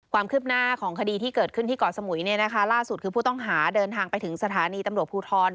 ความคืบหน้าของคดีที่เกิดขึ้นที่เกาะสมุยเนี่ยนะคะล่าสุดคือผู้ต้องหาเดินทางไปถึงสถานีตำรวจภูทร